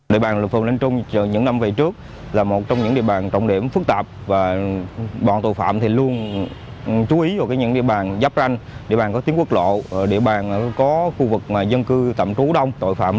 địa bàn phường linh trung những năm về trước là một trong những địa bàn trọng điểm phức tạp và bọn tội phạm luôn chú ý vào những địa bàn giáp ranh địa bàn có tiếng quốc lộ địa bàn có khu vực dân cư tạm trú đông